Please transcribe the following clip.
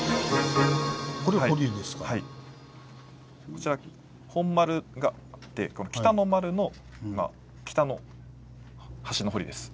こちら本丸があってこの北の丸の北の端の堀です。